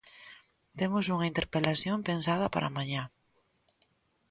Temos unha interpelación pensada para mañá.